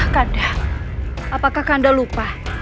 kanda apakah kanda lupa